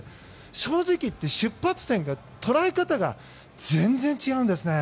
正直言って出発点が、捉え方が全然違うんですね。